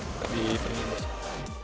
jadi kita bisa lebih berharga